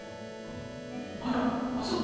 あらっあそこ